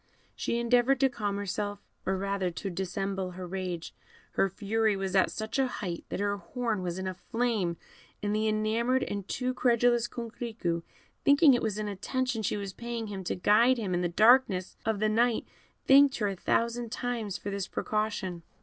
She endeavoured to calm herself, or rather to dissemble her rage; her fury was at such a height that her horn was in a flame, and the enamoured and too credulous Coquerico, thinking it was an attention she was paying him to guide him in the darkness of the night, thanked her a thousand times for this precaution.